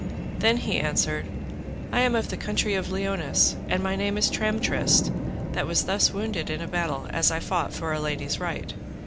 Then he answered, I am of the country of Liones, and my name is Tramtrist, that thus was wounded in a battle as I fought for a lady's right.